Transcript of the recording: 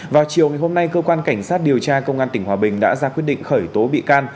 vào chiều ngày hôm nay cơ quan cảnh sát điều tra công an tỉnh hòa bình đã ra quyết định khởi tố bị can